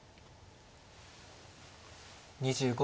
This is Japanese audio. ２５秒。